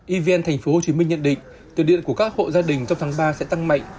evn tp hcm nhận định tiền điện của các hộ gia đình trong tháng ba sẽ tăng mạnh